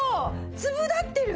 粒立ってる！